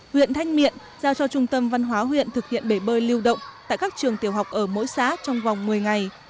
huyện thanh miện giao cho trung tâm văn hóa huyện thực hiện bể bơi lưu động tại các trường tiểu học ở mỗi xã trong vòng một mươi ngày